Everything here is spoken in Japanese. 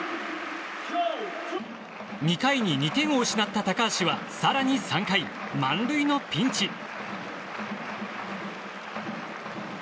２回に２点を失った高橋は更に３回満塁のピンチ。